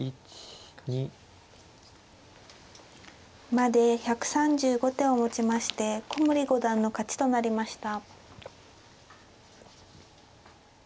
まで１３５手をもちまして古森五段の勝ちとなりました。